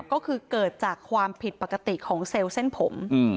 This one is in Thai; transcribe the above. ก็คือเกิดจากความผิดปกติของเซลล์เส้นผม